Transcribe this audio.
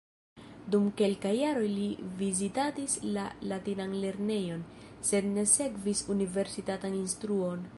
Dum kelkaj jaroj li vizitadis la latinan lernejon, sed ne sekvis universitatan instruon.